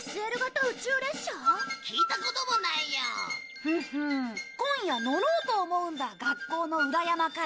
ふふん今夜乗ろうと思うんだ学校の裏山から。